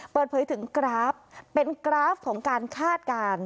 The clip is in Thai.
เปิดเผยถึงกราฟเป็นกราฟของการคาดการณ์